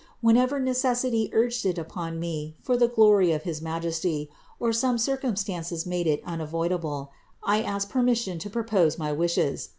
Whenever necessity urged it upon me for the glory of his Majesty, or some circumstances made it unavoidable, I asked permission to propose my wishes.